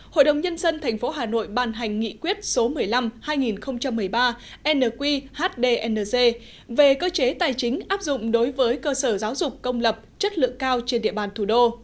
hội đồng nhân dân thành phố hà nội bàn hành nghị quyết số một mươi năm hai nghìn một mươi ba nqhdnz về cơ chế tài chính áp dụng đối với cơ sở giáo dục công lập chất lượng cao trên địa bàn thủ đô